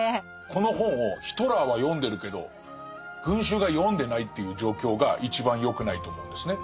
この本をヒトラーは読んでるけど群衆が読んでないっていう状況が一番よくないと思うんですね。